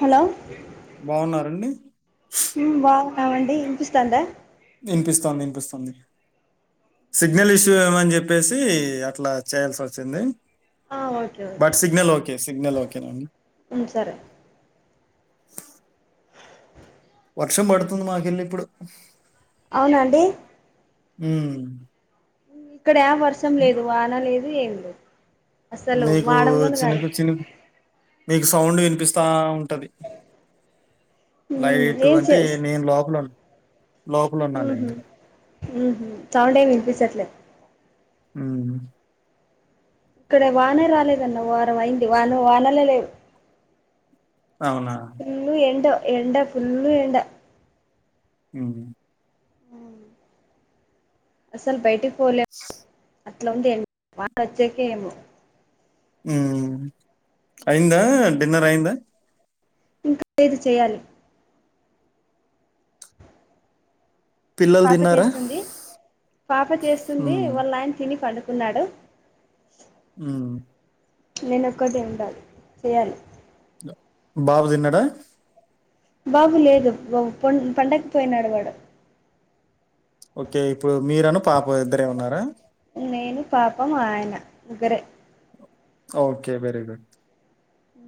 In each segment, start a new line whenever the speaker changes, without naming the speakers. Hello
బాగున్నారండి
హు బాగున్నారా అండి వినిపిస్తుందా
వినిపిస్తుందా వినిపిస్తుంది సిగ్నల్ ఇష్యూ ఏమని చెప్పేసి అట్లా చేయాల్సి వచ్చింది
ఆ okay okay
but signal okay signal okay న అండి
ఉమ్ సరే
వర్షం పడుత మాకలే ఇప్పుడు
అవునండి
హు
ఇక్కడ వర్షం లేదు వానా లేదు ఏం లేదు అసలు
మీకు
మాడంగాను కాలే
చిన్నకు చిన్న నీకు సౌండ్ వినిపిస్తా ఉ ది
ఉమ్
లైట్
ఏం
అంటే
చేస్
నేను లోపల లోక్లు
ఉహు
ఉన్నానండి
ఉహు సౌండ్ ఏ వినిపిస్తలేదు
ఉమ్
ఇక్కడ వాన రాలేదన్న వారం అయింది వాన వానలే లేవు
అవునా
ఫుల్లు ఎండ ఎండ ఫుల్లు ఎండ
హ్మ్
అసలు బయటికి పోలేము అట్లాంది ఎండ వాన అచ్చాక ఏమో
ఉమ్ అయిందా డిన్నర్ అయిందా
ఇంకా లేదు చేయాలి
పిల్లలు
పాప
తిన్నారా?
చేస్తుంది పాప చేస్తుంది
హ్మ్.
వాళ్ళు ఆయన తిని పండు కున్నాడు
ఉమ్
నేను ఒక్కటి ఉండాలి చెయాలి
బాబు తన్నడ
బాబు లేదు పా పో పండకు పోయినాడు వాడు
ఓకే ఇప్పుడు మీరను పాప ఇద్దరే ఉన్నారా?
నేను పాపం ఆయన ముగ్గురే
okay very good
uh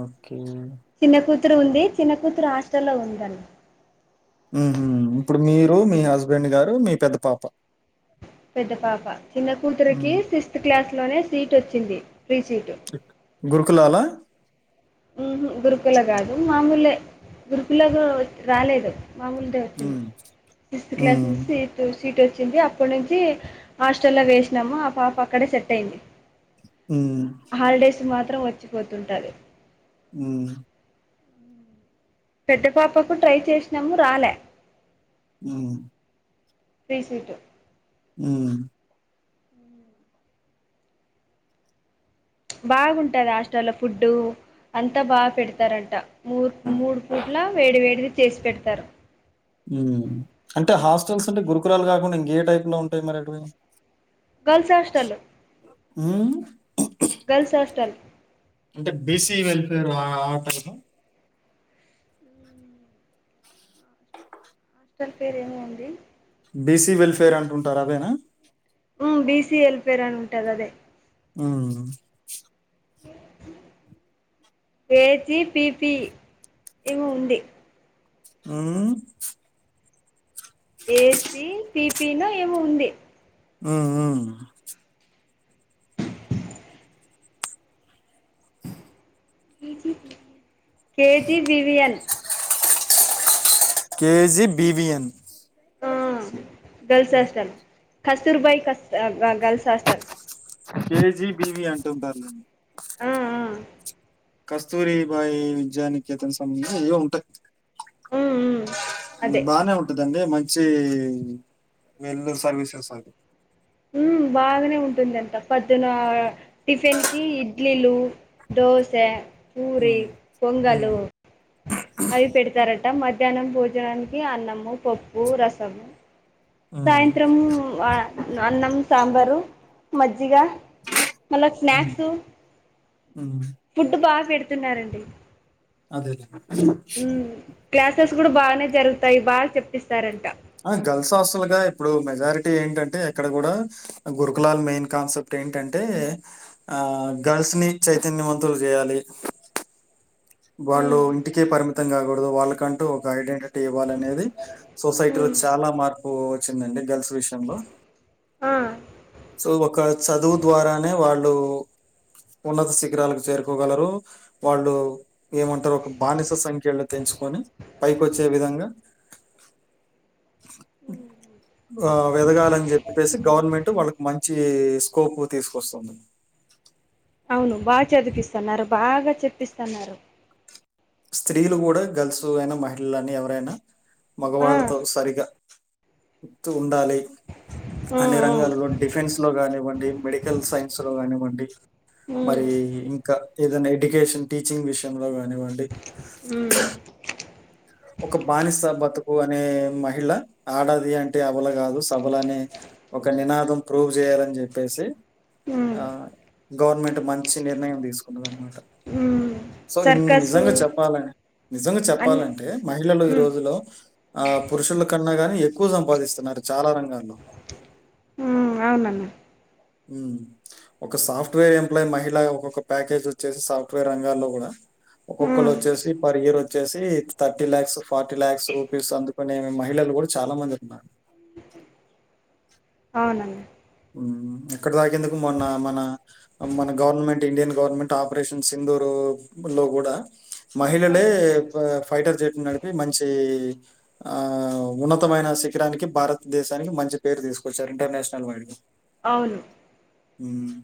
okay
చిన్న కూతురు ఉంది చిన్న కూతురు హాస్టల్లో ఉందండి
ఉహు ఇప్పుడు మీరు మీ హస్బెండ్ గారు మీ పెద్ద పాప
పెద్ద పాప చిన్న కూతురికి
హ్మ్.
సిక్స్త్ క్లాస్ లోనే సీట్ వచ్చింది ఫ్రీ సీటు
గురుకులలా
ఉహూ గురుకుల కాదు మామూలే గురుకుల గా రాలేదు మామూలదేవచ్చింది
హ్మ్.
సిక్స్త్ క్లాస్
హ్మ్.
నుంచి ఎయిత్ సీట్ వచ్చింది అప్పటి నుంచి హాస్టల్లో వేసినాము ఆ పాప అక్కడే సెట్ అయింది
హ్మ్.
హాలిడేస్కీ మాత్రం వచ్చిపోతుంటది
ఉ
పెద్ద పాపకు ట్రై చేసినాము రాలే
ఉ
ఫ్రీ సీట్
ఉ
బాగుంటది హాస్టల్లో ఫుడ్డు అంతా బాగా పెడతారంట మూ మూడు పూట్ల వేడి వేడిది చేసి పెడతారు
హ్మ్. అంటే హాస్టల్స్ అంటే గురుకులాలు కాకుండా ఇంకే టైప్ లో ఉంటాయి మరి అటు వైపు
గర్ల్స్ హాస్టలు
ఉ
గర్ల్స్ హాస్టల్
అంటే బీసీ వెల్ఫేర్ ఆ ఆ టైప్ ఆ
హాస్టల్ పేరు ఏమో ఉంది
బీసీ వెల్ఫేర్ అంటుంటారు అదేనా
ఉమ్ బీసీ వెల్ఫేర్ అని ఉంటుది అదే
ఉమ్
ఏజీ పిపి ఏమో ఉంది.
ఉమ్మ్
ఏజి పీపీనో ఏమో ఉంది.
మ్ మ్
కేెజీ బివిఎన్
కేజీ బిబిఎన్
ఆ గర్ల్స్ హాస్టల్ కస్తూర్బాయి కస్తూ గర్ల్స్ హాస్టల్
కేజీ బివి అంటుంటారు లేండి.
ఆ ఆ
కస్తూరి బాయి విద్యానికేతనికి సంబంధించి ఏవో ఉంటాయ్.
ఉమ్ ఉమ్ అదే
బానే ఉంటదండి మంచి వెల్ సర్వీసెస్ అవి
మ్మ్ బాగ్నే ఉంటుందంట పొద్దున టిఫిన్కి ఇడ్లీలు దోశ పూరి
హ్మ్. హ్మ్.
పొంగలు అవి పెడతార అంట మధ్యాహ్నం భోజనానికి అన్నము పప్పు రసము.
హ్మ్.
సాయంత్రము అన్నం సాంబారు మజ్జి జ్జిగ మళ్ళ
హ్మ్.
స్నాక్స్
హ్మ్.
ఫుడ్ బాగ పె డుతున్నారండి.
అదేలెండి.
మ్మ్ క్లాసెస్ కూడా బాగానే జరుగు తాయి బాగ చెప్పిస్తారంట
ఆ గర్ల్స్ హాస్టల్కా ఇప్పుడు మెజారిటీ ఏంటంటే ఇక్కడ కూడా గురుకులాల్ మెయిన్ కాన్సెప్ట్ ఏంటంటే ఆ గర్ల్స్ ని చైతన్యవంతులు చేయాలి. వాళ్ళు
ఉమ్
ఇంటికే పరిమితం కాకూడదు వాళ్ళకంటూ ఒక ఐడెంటి టి ఇవ్వాలనేది సొసైటీ లో
ఉమ్
చాలా మార్పు వచ్చిందండి గర్ల్స్ విషయంలో
ఆ
సో ఒక చదువు ద్వారానే వాళ్ళు ఉన్నత శిఖరాలకు చేరుకోగలరు వాళ్ళు ఏమంటారు ఒక బానిస సంకెళ్లు తెంచుకొని పైకొచ్చే విధంగా ఆ ఎదగాలని చెప్ చెప్పేసి గవర్నమెంట్ వాళ్ళకి మంచి స్కోప్ తీసుకొస్తుంది.
అవును బాగ చదిపిస్తన్నారు. బాగ చెప్పిస్తన్నారు.
స్త్రీలు కూడా గర్ల్స్ అయినా మహిళలని ఎవరైనా
ఆ
మగవాళ్లతో సరిగా త్తు ఉండాలి.
ఉమ్
అన్ని
ఉమ్
రంగాలలో డిఫెన్స్ లో కానివ్వండి మెడికల్ సైన్స్ లో కానివ్వండి.
ఉమ్
మరి ఇంకా ఏదైనా ఎడ్యుకేషన్ టీచింగ్ విషయంలో గానివ్వండి.
మ్మ్
ఒక బానిస బతుకు అనే మహిళ ఆడది అంటే అబల కాదు సబలనే ఒక నినాదం ప్రూవ్ జేయాలని చెప్పేసి
ఉమ్
ఆ గవర్నమెంట్ మంచి నిర్ణయం తీసుకున్నదన్మాట
ఉమ్
సో ఇన్న్
సర్కసు
నిజంగా చెప్పాలని నిజంగా
అన్
చెప్పాలం అంటే మహిళలు ఈ
ఉమ్
రోజులో ఆ పురుషుల కన్నా గాని ఎక్కువ సంపాదిస్తున్నారు. చాలా రంగాల్లో
ఉమ్ అవునన్న
హ్మ్ ఒక సాఫ్ట్వేర్ ఎంప్లాయ్ మహిళ ఒక్కొక్క ప్యాకేజ్ వచ్చేసి సాఫ్ట్వేర్ రంగాల్లో కూడా ఒక్కొక్కళ్ళు
ఉమ్
వచ్చేసి పర్ ఇయర్ వచ్చేసి thirty lakhs forty lakhs rupees అందుకునే మహిళలు కూడా చాలా మంది ఉన్నారు.
అవునండి.
ఉమ్ ఎక్కడ దాకేందుకు మొన్న మన మన government Indian government operation Sindoor లో కూడా మహిళలే పా ఫైటర్ జెట్ నడిపి మంచి ఆ ఉన్నతమైన శిఖిరానికి భారతదేశానికి మం మంచి పేరు తీసుకొచ్చారు ఇంటర్నేషనల్ వైడ్ గా
అవును
ఉమ్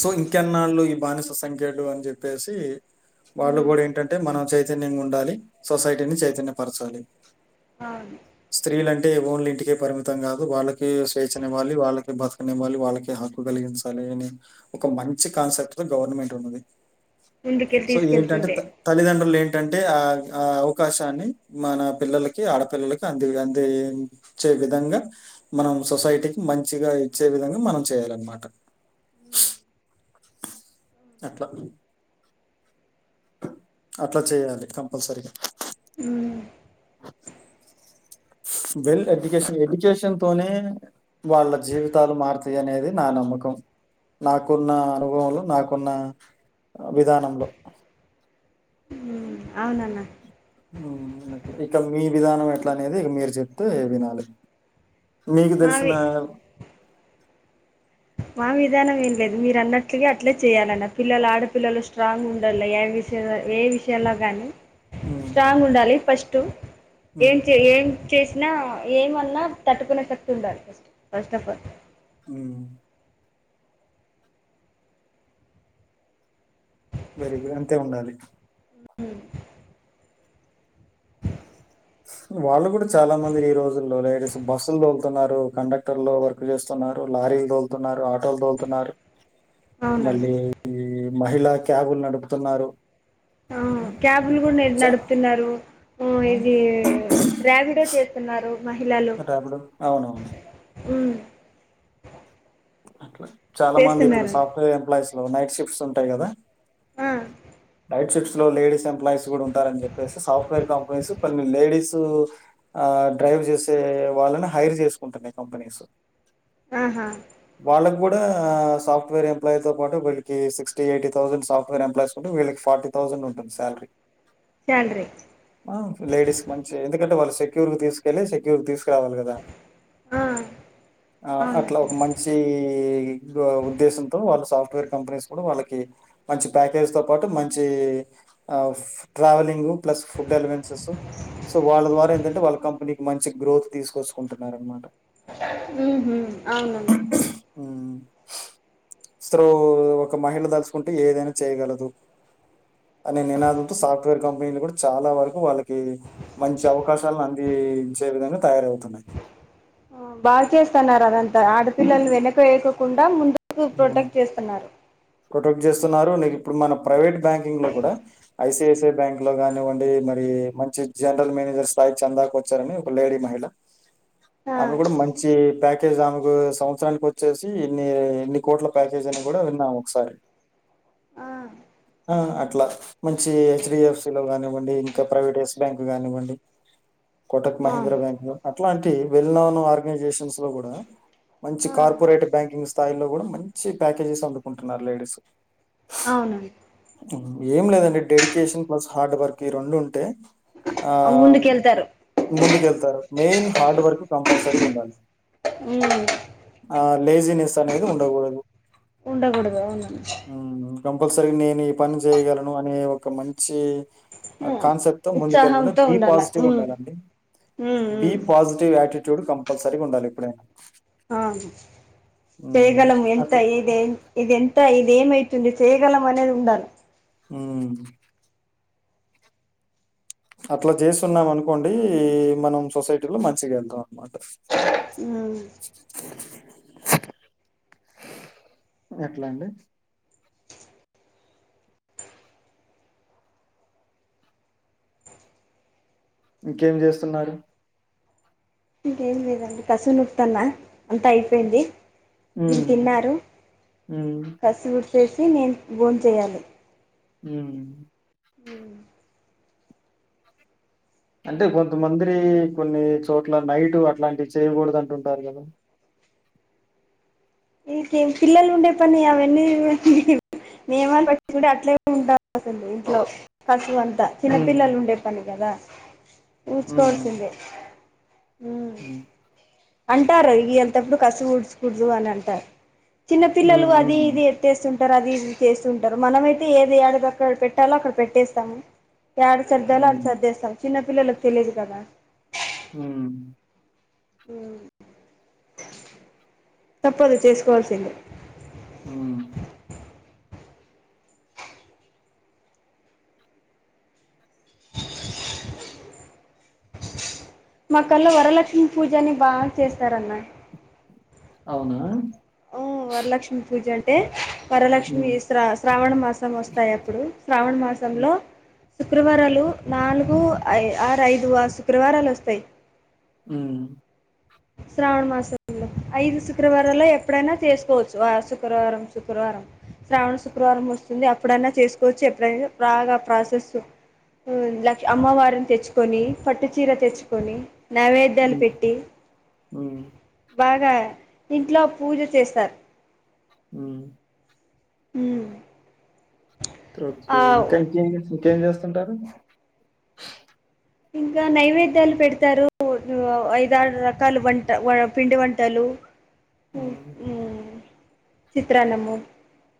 సో ఇంకెన్నాళ్ళు ఈ బానిస సంకేళ్లు అని జెప్పేసి వాళ్ళు
ఉమ్
గూడా ఏంటంటే మనం చైతన్యంగా ఉండాలి సొసైటీని చైతన్య పరచాలి
అవును
అంటే ఓన్లీ ఇంటికే పరిమితం కాదు వాళ్ళకి స్వేచ్ఛనివ్వాలి వాళ్ళకి బతుకునివ్వాలి వాళ్ళకి హక్కు కలిగించాలి అని ఒక మంచి కాన్సెప్ట్ తో గవర్నమెంట్ ఉన్నది
ముందుకెళ్ళి
సో ఏంటంటే
తీసుకెళ్తుండే
త తల్లిదండ్రులు ఏంట్ ఏంటంటే ఆ ఆ అవకాశాన్ని మన పిల్లలకి ఆడపిల్లలకి అంది అంది చే విధంగా మనం సొసైటీకి మంచిగా ఇచ్చే విధంగా మనం చేయాలన్మాట అట్ల అట్ల చేయ్యాలి కంపల్సరిగా
ఉమ్
వెల్ ఎడ్యుకేషన్ ఎడ్యుకేషన్ తోనే వాళ్ళ జీవితాలు మారుతాయి అనేది నా నమ్మకం నాకున్న అనుభవం లో నాకున్న విధానంలో
అవును అన్న
ఉమ్ అట్లా ఇక మీ విధానం ఎట్లా అనేది ఇక మీరు చెప్తే వినాలి మీకు దెల్సిన
మావి మా విధానం ఏం లేదు మీరు అన్నట్లుగా అట్లే చేయాలన్న పిల్లలు ఆడపిల్లలు స్ట్రాంగ్ ఉండల్ల ఏం ఏ విషయాల్లో గానీ
హ్మ్.
స్ట్రాంగ్ ఉండాలి ఫస్టు
హ్మ్.
ఏం చె ఏం చేసినా ఏమన్నా తట్టుకునే శక్తి ఉండాలి first first of all
um very good అంతే ఉండాలి వాళ్ళు గూడా చాలా మంది ఈ రోజుల్లో లేడీస్ బస్సుల్లో గూ తున్నారు కండక్టర్ లో వర్క్ చేస్తున్నారు లారీలు తోల్తున్నారు ఆటోలు తోల్తున్నారు
అవునండి
మళ్ళీ ఈ మహిళా క్యాబులు నడుపుతున్నారు
ఆ
హ్మ్.
క్యాబులు కూడానే
చా
నడుపుతున్నారు ఊ
ఆ!
ఇది రాపిడో చేస్తున్నారు
రాపిడో అవునవును
ఉమ్
అట్ల చాలా మంది ఇప్పుడు
చేస్తున్నారండి
సాఫ్ట్వేర్ ఎంప్లాయస్ లో నైట్ షిఫ్ట్స్ ఉంటాయ్ కదా
ఆ
నైట్ షిఫ్ట్స్ లో లేడీస్ ఎంప్లాయస్ కూడా ఉంటారని చెప్పేసి సాఫ్ట్వేర్ కంపెనీస్ కొన్ని లేడీస్ ఆ డ్రైవ్ చేసే వాళ్ళని హైర్ చేసుకుంటున్నాయి కంపెనీస్
ఆహా
వాళ్ళకి గూడా సాఫ్ట్వేర్ ఎంప్లాయ్ తో పాటు వీళ్ళకి sixty eighty thousand software employees ఉండే వీళ్ళకి ఫార్టీ థౌసండ్ ఉంటుంది సాల్రీ
శాలరీ
ఆ లేడీస్ మంచి ఎందుకంటే వాళ్ళు సెక్యూర్ తీసుకెళ్ళి సెక్యూర్ తీస్ రావాలి కదా
ఆ
ఆ అట్ల
అవునండి
ఒక మం ఈ ఉద్దేశంతో వాళ్ళ సాఫ్ట్వేర్ కంపెనీస్ కూడా వాళ్ళకి మంచి ప్యాకేజ్ తో పాటు మంచి అది travelling plus food allowances so వాళ్ళ ద్వారా ఏంటంటే వాళ్ళ కంపెనీకి మంచి గ్రోత్ తీసుకొచ్చుకుంటున్ననమాట
ఉ హు అవును
ఉ సో ఒక మహిళ తలుచుకుంటే ఏదైనా చేయగలదు అనే నినాదంతో సాఫ్ట్వేర్ కంపెనీలు కూడా చాలా వరకు వాళ్ళకి మంచి అవకాశాలను అంది ఇచ్చే విధంగానే తయారవుతున్నాయి
బాగా చేస్తన్నారు అదంతా ఆడపిల్లలు వెనకకు వెయ్యకుండా ముందు
ప్రొటెక్ట్ చేస్తున్నారు నీకు ఇప్పుడు మన ప్రైవేట్ బ్యాంకింగ్ లో కూడా ఐసిఐసిఐ బ్యాంక్ లో కానివండి మరి మంచి జనరల్ మేనేజర్ స్థాయి చందాక వచ్చారని ఒక లేడీ మహే దట్
ఆ
ఆమె కూడా మంచి ప్యాకేజ్ ఆమెకు సంవత్సరానికి వచ్చేసి ఎన్ని ఎన్ని కోట్ల ప్యాకేజ్ అని కూడా విన్నాం ఒకసారి
ఆ
ఆ అట్లా మంచి హెచ్డిఎఫ్సి లో కానివ్వండి ఇంకా ప్రైవేట్స్ బ్యాంక్ కానివ్వండి
ఉ
కొటక్ మహేంద్ర బ్యాంక్ లో అట్లాంటి వెళ్ళనన్న ఆర్గనైజేషన్స్ లో కూడా మంచి
ఆ
కార్పొరేట్ బ్యాంకింగ్ స్థాయిలో కూడా మంచి ప్యాకేజెస్ అందుకుంటున్నారు లేడీస్
అవునండి
ఏం లేదండి డెడికేషన్ ప్లస్ హార్డ్ వర్క్ ఈ రెండు ఉంటే ఆ
ముందుకెళ్తారు
ముందుకెళ్తారు మెయిన్ హార్డ్ వర్క్ కంపల్సరీ ఉండాలి
హ్మ్.
ఆ లేజినెస్ అనేది ఉండకూడదు
ఉండకూడదు అవును
కంపల్సరీ నేను ఈ పని చేయగలను అనే ఒక మంచి
హ్మ్.
కాన్సెప్ట్ ముందు కెల్లి
ఉత్సాహంతో
బి
ఉండాల
పాజిటివ్
హ్మ్.
ఉండాలండి
ఉమ్
బి
ఉమ్
పాజిటివ్ యాటిట్యూడ్ కంపల్సరీగా ఉండాలి ఎప్పుడైనా
ఆ
హ్మ్.
చేయగలము ఎంత
అట్లా
ఇది ఇది ఎంత ఇది ఏమవుతుంది చేయగలం అనేది ఉండాలి
ఉ అట్లా చేస్తున్నాం అనుకోండి మనం సొసైటీ లో మంచిగా వెళ్తాం అనమాట
ఉ
ఎట్లా అండి ఇంకేం చేస్తున్నారు
ఇంకేం లేదండి కసు నుక్తానా అంతా అయిపోయింది మీరు
హ్మ్.
తిన్నారు
హ్మ్.
కసువుడిచేసే నేను బోన్ చేయాలి
ఉ హు
ఉ
అంటే కొంతమందిరి కొన్ని చోట్ల నైటు అట్లాంటివి చేయకూడదు అంటుంటారు కదా
ఇకేమి పిల్లలు ఉండే పని అవన్నీ నియమాలు పట్టించుకుంటే అట్లే ఉంటాం అసలు ఇంట్లో ను అంతా
హ్మ్.
చిన్నపిల్లలు ఉండే పని కదా ఊచకోల్సిందే
ఉ
అంటారు [unintelligible] వెళ్ళంతప్పుడు కసువు ఊడ్చికూడదు కూడదు అని అంటారు చిన్న
హ్మ్.
పిల్లలు అది
హ్మ్.
ఇది ఎత్తేస్తు ఉంటారు అది ఇది చేస్తు ఉంటారు మనమయితే ఏది యడ అక్కడ పెట్టాలో అక్కడ పెట్టేస్తాము యడ సర్దలో ఆడ
హ్మ్.
సర్దేస్తం చిన్న పిల్లలకు తెలియదు కదా
ఉ
తప్పదు చేసుకోవాల్సిందే
అవును
మా కల్ల వరలక్ష్మి పూజని బాగ చేస్తారన్న
అవునా
అయితే వరలక్ష్మి
హ్మ్.
శ్రా శ్రావణ మాసం వస్తాయి అప్పుడు శ్రావణ మాసంలో
హ్మ్.
శుక్రవారాలు నాలుగు ఐ ఆరు ఐదు ఆ శుక్రవారాలు వస్తాయి
ఉ
శ్రావణ మాసంలో ఐదు శుక్రవారల్లో ఎప్పుడైన చేసుకోవచ్చు శుక్రవారం శుక్రవారం శ్రావణ శుక్రవారం వస్తుంది అప్పుడైన చేసుకోవచ్చు ఎప్పుడైతే బాగ ప్రాసెస్సు [unintelligible] అమ్మవారిని తెచ్చుకొని పట్టు చీర తెచ్చుకొని నైవేద్యాన్ని పెట్టి
ఉ
బాగ ఇంట్లో పూజ చేస్త
ఉ
ఉ
[unintelligible] ఇంకా ఇంకేం ఇంకేం చేస్తుంటారు
ఇంక నైవేద్యాలు పెడతారు ఐదారు రకాల వంట పిండి వంటలు బ
హు
చిత్రనమూ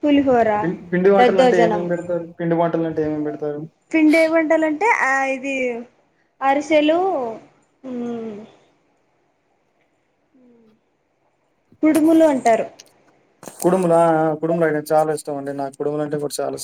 పులిహోర
పిండి పిండి వంటలంటే
దద్దోజనం
ఏమేమి బెడతారు? పిండి వంటలంటే ఏమేమి బెడతారు?
పిండి [unintelligible] అంటే ఇది అరిసెలు కుడుములు అంటారు
కుడుముల కుడుముల అయి చాల ఇష్టం అండి నా కుడుములు అంటే కూడ చాల ఇష్టం